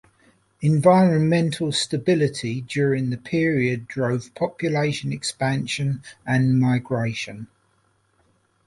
Environmental stability during the period drove population expansion and migration.